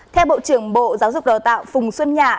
theo bộ trưởng bộ giáo dục đào tạo phùng xuân nhạ